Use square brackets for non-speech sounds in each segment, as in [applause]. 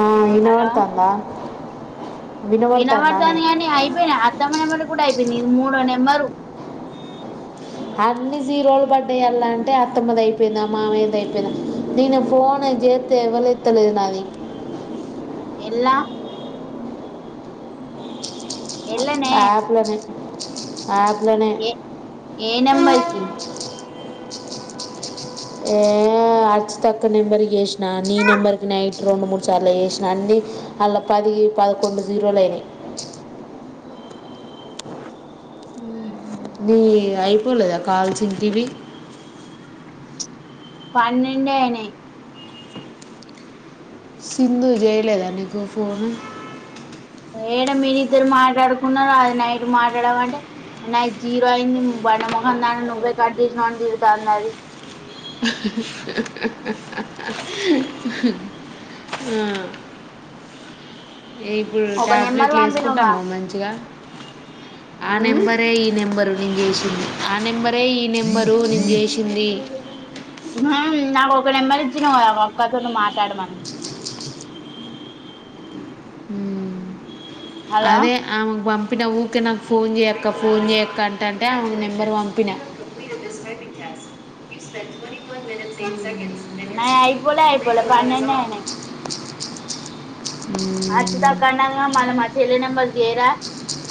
ఆ ఇనావంతందా వినమడతాని గాని అయిపోయినా అత్తమ్మ నెంబర్ కూడా అయిపోయింది ఇది మూడో నెంబరు అన్ని జీరోళ్లు పడ్డయలా అంటే అత్తమద అయిపోయింది మావయ్య ది అయిపోయింద నేను ఫోన్ చేస్తే ఎవలెత్తలేదు నాది ఏళ్ళ అప్ లోనే అ [inaudible] ఏ ఏ నెంబర్కిి ఏ అచి తక్క నెంబర్కి చేసినా నీ నెంబర్కి నైట్ రెండు మూడు సార్లు చేసినా అండి అళ్లా పది పదకొండు జీరోలు అయినాయి ఉ చూడలేదా కాల్సంటివి పన్నెండే అయినాయి సింధు చేయలేదా నీకు ఫోను ఏడ మీరు ఇద్దరు మాట్లాడుకున్నారుార అది నైట్ మాట్లాడమంటే నైట్ జీరో అయింది బండ ముఖం దన్న నువ్వే కట్ చేసినావ్ అని తోడ్తంది అది ఆ ఇప్పుడు ఒక నెంబర్ టాబ్లెట్లు పంపినవుగా ఎసుకుంటానావా మంచిగా ఆ ఉమ్ నెంబరే ఈ నెంబరు నేను చేసింది ఆ నెంబరే ఈ నెంబరు నేను చేసింది నాకు ఒక నెంబర్ ఇచ్చినా ఒక్కతోో మాట్లాడమని హలో అదే అమే పం చెప్పిన ఊరికే నాకు ఫోన్ చేయక్క ఫోన్ చేయక అంటంటే అ నెంబర్ పంపిన స సెక ఉమ్, నాయి అయిపోలే అయిపోలే ఉన్న జవా అజితాకన్నది మల్ మ చెల్లినెంబర్ చేరా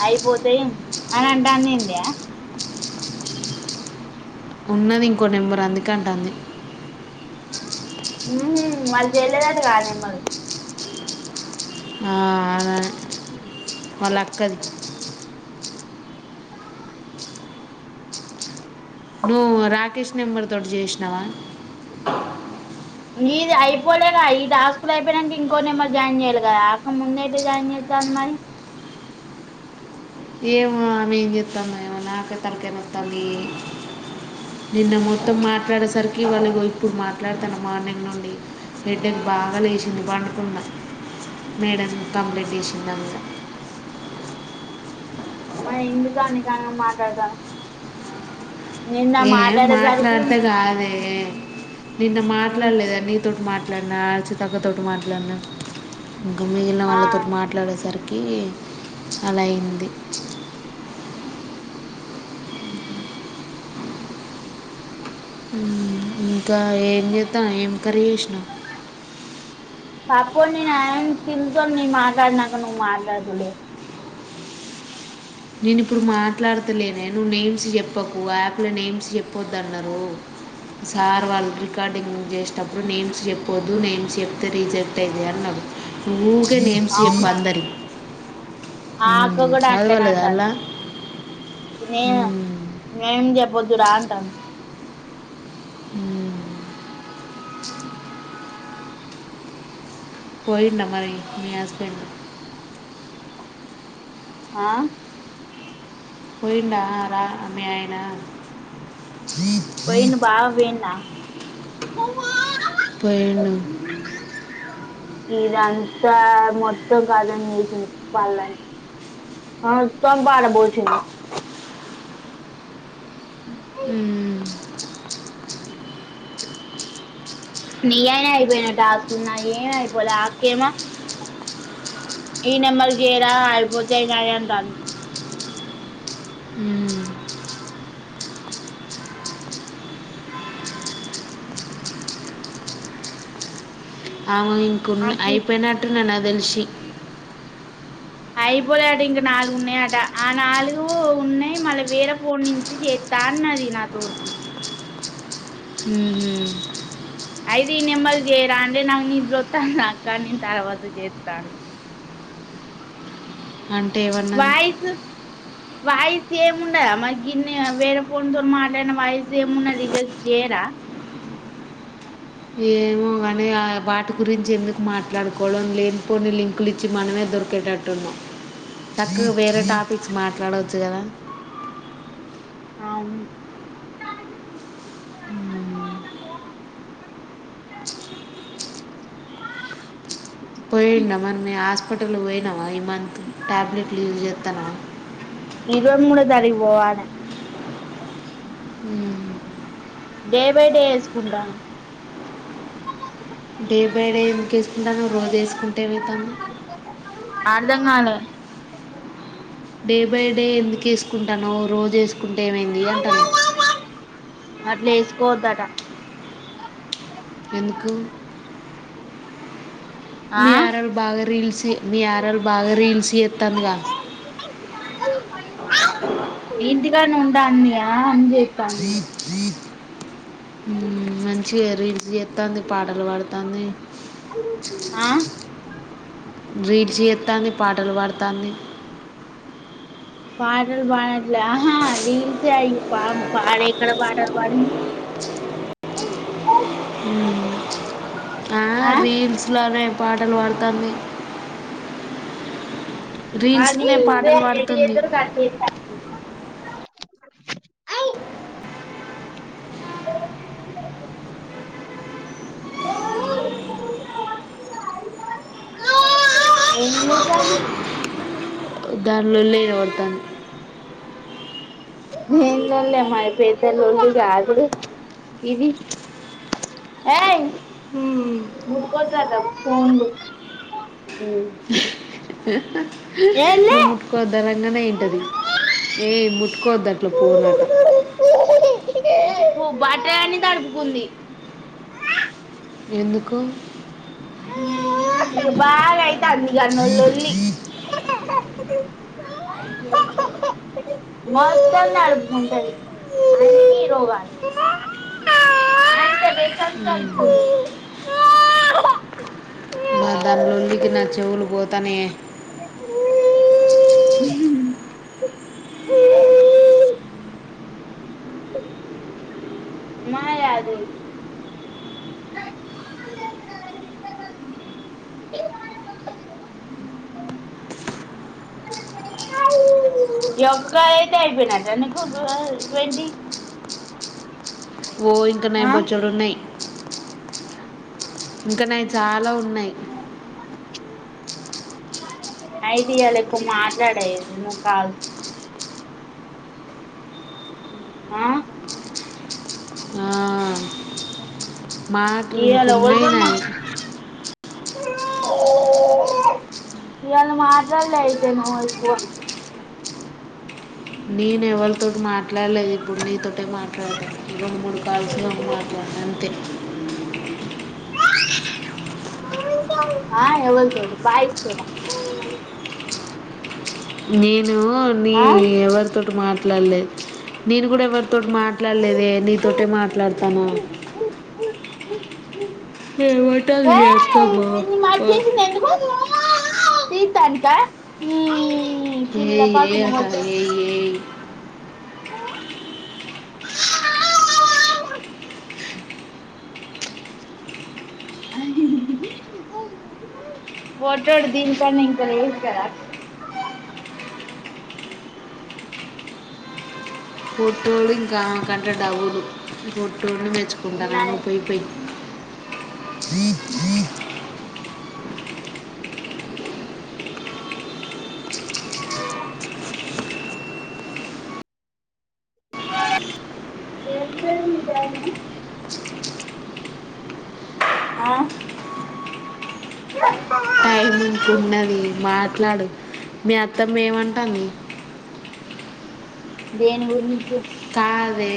అయిపోతాయి అని అంటందింది ఉన్నది ఇంకో నెంబరు అందుకంట అంది ఉ వాళ్ళీ చేయలేదట్టగా ఆ నంబరు ఆ అద వాళ్ళ అక్కది నువ్వు రాకేష్ నెంబర్ తోటి చేసినావా ఇది అయిపోలే క ఈ టాస్కులు అయిపోయియానికి ఇంకో న మరి జాయిన్ చేయాలి కదా అక ముందేతే జాయిన్ చేస్తాంది మరి ఏమో ఆమె ఏం చేస్తాంద ఏమో నాకే తలకై నోస్తంది నిన్న మొత్తం మాట్లాడేసరికి వాళ్ళ ఇప్పుడు మాట్లాడతాను మార్నింగ్ నుండి హెడేక్ బాగా లేచింది పండుకున్న మేడమ్ కంప్లైంట్ చేసింది అమె మ ఎందుకు అని కా మాట్లాడతానా ఏం మాట్లాడితే కాదే నిన్న మాట్లాడలేదా నీతోటి మాట్ అన్నా ఎచ్చు తక్కుతోటి మాట్లాడలన్నా ఇంకా మిగిలిన ఆ వాళ్ళతో మాట్లాడేసరికి అలాయింది. ఉహు ఉమ్ ఇంకా ఏం చేత్తాన్ ఏం కర్రీ చేసినవ్ పాప నేను ఆయన తిన్ తో మాట్లాడి నాక నువ్వు మాట్లాడదులే నేను ఇప్పుడు మాట్లాడతేలేనే. నువ్వు నేమ్స్ చెప్పకు యాప్లో నేమ్స్ చెప్పద్దు అన్నారు. సార్ వాళ్ళు రికార్డింగ్ చేసేటప్పుడు నేమ్స్ చెప్పొద్దు. నేమ్స్ చెప్తే రిజెక్ట్ అయితది అన్నాడు. నువ్వు కే నేమ్స్ అవునా చెప్పద్దు అన్ ఆ అక్క కూడా అట్లనే అలా అంటంది నే ఉమ్, మేం చెప్ వద్దు రా అంటంది ఉమ్ పోయిందా మరి మీ హస్బెండ్ ఆ పోయిండా రా అమ్మె ఆయన పోయిండు బావ పోయిండ పోయిండు ఇదంతా మొత్తం కాదని చేసింది పళని తోమ్ పడబోసింది. ఉ ఉమ్ నీ అయిన అయిపోయినాయి టాస్క్లు నాయ్ ఏం అయిపోలే ఆ అక్క ఏమో ఈ నెంబర్ కి చేయిరా అయపోతేయి నాయ్ అంటాంది ఉమ్, అవు ఇంక ఉ ఐ అది పోనాట్ న తెల్సి అయిపోలే దట ఇంక నాలుగు ఉన్నాయట. ఆ నాలుగు ఉన్నయ్. మళ్ళీ వేరే ఫోన్ నుంచి చేత్తా. అన్నది నా తో ఉహు అయిదు ఈ నెంబర్ కి చేయరా అంటే, నాకు నిద్ర వత్తంది అక్క నేను తర్వాత చేస్తాను. అంటే ఏం అన్నది వాయిసు సేమ్ ఉండదా. మరి గిన్నె వేరే ఫోన్తో మాట్లాడిన వాయిసు ఏమిండ రిజెక్ట్ చేయరా. ఏమో కానీ వాటి గురించి ఎందుకు మాట్లాడుకోవడం. లేనిపోన్ని లింకులు ఇచ్చి మనమే దొరికేటట్టున్నాం. చక్కగా వేరే టాపిక్స్ మాట్లాడవచ్చు కదా. అవును ఉమ్, పోయిందా మరి మీ హాస్ట నువ్ పోయినవా ఈ మంత్ టాబ్లెట్లు యూజ్ చెత్తనవా తారికు పోవాలే ఉమ్ డే బై డే వేసుకుంటా డే బై డే ఎందుకు వేసుకుంటాను రోజు వేసుకుంటే ఏమవుతుంది అర్థం కాలే డే బై డే ఎందుకు ఏసుకుంటానవ్ రోజేసుకుంటే ఏమైంది అంటన్న అట్లేసుకోద్దట ఎందుకు ఆ మి ఆరల్ బాగ రీల్స్ మి ఆరల్ బాగ రీల్స్ జేత్తాందిగా ఇంటికాన్నే ఉంటాందిగ అని జేత్తాంది ఈ మ్మ్ మంచిగా రీల్స్ చేత్తాంది, పాటలు పాడతాంది ఆ రీడ్స్ చేత్తాంది పాటలు బాడతాంది పాటలు పాడట్లే ఆహా రీల్సే అయి పామ్ పాడ ఎక్కడ పాటలు బాడింది ఆ రీల్స్లానేే పాటలు బాడతాంది అది ఇబుడే పాటలు పాడుతుంది ఎగిరెగిరి గంతేత్తాంది ఏం జేసాంది దానిలో పడుతుంది ఏం లొల్లె మాయ్ పెద్ద లొల్లిగాదులే ఇది ఏయ్ ముట్కోదు అట ఫోన్లు నువ్వు ఏంలే ముట్టుకోదనంగనే ఇంటది ఏయ్ ముట్ కొద్దట్ల పోనట బట్టలన్నీ దడుపుకుంది ఎందుకు బాగయితాంది ఇగా నొలొల్లి మొత్తం దడుపు ఉంటది అన్ని రోగాలె [unintelligible] మ్మ్. దడుపుకుంది మా దాని లొల్లికి నా చెవులు బోతానయే మా యాదు ఈ ఒక్కైతే ఐపోయినట్టేనా నీకు ట్వంటీ ఓ ఇంకా నాయి ఆ బొచ్చడున్నయ్ ఇంకా చాలా ఉన్నాయి ఐడియా లేకు మాట్లాడయేది నువ్ కాల్ ఆ మాకు ఇంకున్నయినాయి ఇయాళ మాట్లాడ్లే అయితే [unintelligible] నేనెవళ్తోటి మాట్లాడ్లేదు ఇప్పుడు నీతోటే మాట్లాడతాను రొండు, మూడు కాల్స్లో మాట్లాడత అంతే. ఆ ఎవ్వలు బాయిస్ తోనా నీ నో నీ ఆ ఎవరితోటి మాట్ ట్లాడలేదు నేను కూడా ఎవరితో మాట్లాడలేదే నీతోటే మాట్లాడతాన ఏమంటంది మీ ఏయ్ అత్తమ్మ వ తీత్తనికా ఊ ఏ ఏ అట ఏయ్ ఏయ్ ఫోటోలు దీనికన్నా ఇంకా లేవ కదా అక్క పోటోలు ఇంకా కన్ రెడ్డవూదు టూన్న మెచ్చుకుంటాను నేనా అన పోయిపోయి [inaudible] ఉ ఏంత అయింది జము ఆ టైం ముంకున్నది మాట్లాడు మీ అత్తమ్మ ఏమంటంది. దేని గురించి కాదే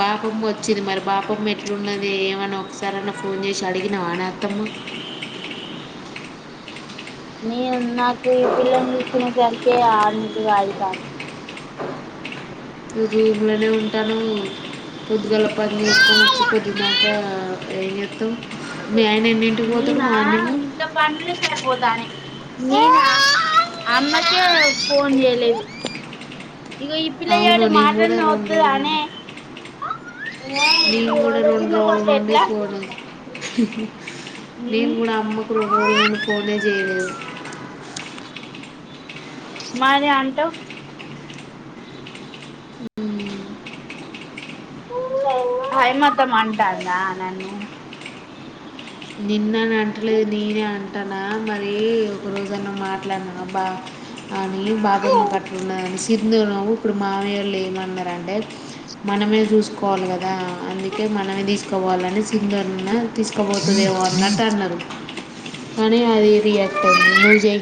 బాపమ్మ వచ్చింది మరి బాపమ్మ ఎట్లున్నది ఏమన్నా ఒకసారన్న ఫోన్ చేసి అడిగినవ అత్తమ్మ నేను నాకు ఈ పిల్లని చూసుకునే సరికె ఆయించు అయితాంది. ఈ దీపమలే ఉన్ ట్టన్ పొద్దిగాల పని చేసుకొని వచ్చి పొద్దుగాకా ఏం చేత్తవ్? నేనా ఇంత పనులే సర్పొతానయ్. నేన అమ్మకి ఫోన్ చేయలే ఇగ ఈ అవును పిల్లఎటు నేను మాటన్న కూడా రెండు వత్తదానే రోజులు నేను కూడా రెండు రోజుల [unintelligible] నుండి ఎట్లా ఫోను నేను కూడా అమ్మకు రెండు రోళ్లు నుండి ఫోనే చేయలేదు. మరి అంటవ్ హైమాతాంమంటాందా నన్ను నిన్న అంటలేదు నీనాన్ ట్టనా మరి ఒక రోజన్న మాట్లాడినా బా అని బాబమ్మ కట్న్నదని సింధూరం ఇప్పుడు మావైయొళ్ళు ఏమన్నారంటే మనమే చూసుకోవాలి కదా అందుకే మనదిస్ కోవాలని సింగర్ ఉన్న తీసుకోబ్ దేమె అన్నట్టు అన్నరు. అనే అది రియాక్ట్ అయింది నుూ జై